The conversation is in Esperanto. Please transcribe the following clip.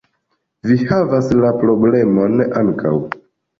Vi havas la problemon ankaŭ